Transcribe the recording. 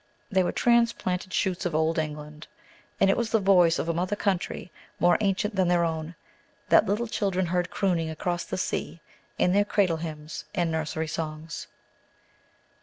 They were transplanted shoots of Old England. And it was the voice of a mother country more ancient than their own, that little children heard crooning across the sea in their cradle hymns and nursery songs.